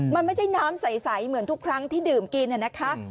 มันไม่ใช่น้ำใสเหมือนทุกครั้งที่ดื่มกินนะคะ